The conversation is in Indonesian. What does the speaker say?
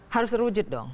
harus terwujud dong